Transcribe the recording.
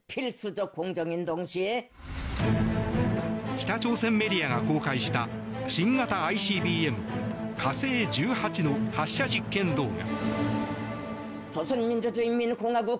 北朝鮮メディアが公開した新型ＩＣＢＭ、火星１８の発射実験動画。